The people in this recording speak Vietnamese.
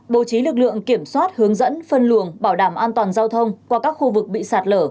bố trí lực lượng kiểm soát hướng dẫn phân luồng bảo đảm an toàn giao thông qua các khu vực bị sạt lở